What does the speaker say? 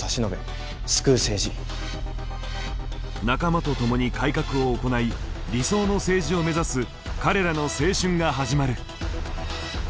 仲間と共に改革を行い理想の政治を目指す彼らの青春が始まる。